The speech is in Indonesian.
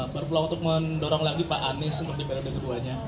berpeluang untuk mendorong lagi pak anies untuk diberi kedua duanya